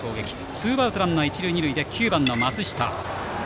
ツーアウトランナー、一塁二塁で９番の松下。